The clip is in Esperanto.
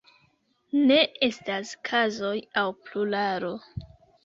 Ne estas kazoj aŭ pluralo.